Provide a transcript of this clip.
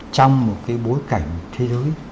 trong một cái bối cảnh thế giới